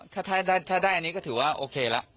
ถ้าได้อันนี้ก็ถือว่าโอเคแล้ว